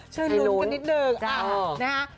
ช่วยรุ้นกันนิดหนึ่ง